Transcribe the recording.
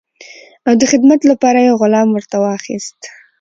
او د خدمت لپاره یې غلام ورته واخیست.